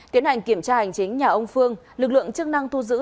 tiến hành kiểm tra hành chính nhà ông phương lực lượng chức năng thu giữ